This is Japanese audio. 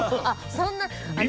あっそんな。